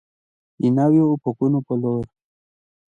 د نویو افقونو په لور.